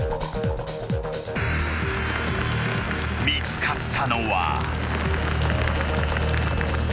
［見つかったのは］